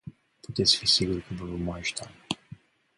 Puteți fi siguri că vă vom ajuta.